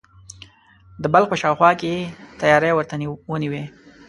د بلخ په شاوخوا کې یې تیاری ورته ونیوی.